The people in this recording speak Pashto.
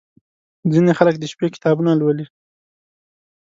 • ځینې خلک د شپې کتابونه لولي.